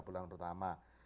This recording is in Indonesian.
tiga bulan pertama